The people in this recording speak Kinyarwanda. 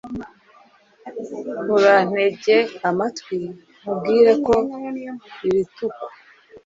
Urantege amatwi nkubwire ko irituku